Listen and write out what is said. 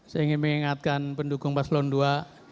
saya ingin mengingatkan pendukung paslon ii